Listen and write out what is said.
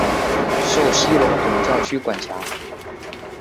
受西隆总教区管辖。